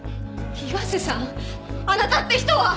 岩瀬さんあなたって人は！